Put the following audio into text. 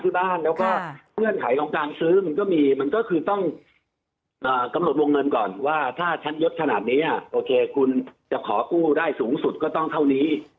ที่บ้านแล้วก็เงื่อนไขของการซื้อมันก็มีมันก็คือต้องกำหนดวงเงินก่อนว่าถ้าฉันยดขนาดนี้โอเคคุณจะขอกู้ได้สูงสุดก็ต้องเท่านี้